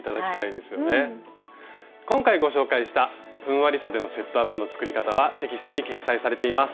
今回ご紹介した「ふんわりそでのセットアップ」の作り方はテキストに掲載されています。